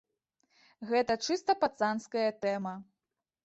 Гэта чыста пацанская тэма.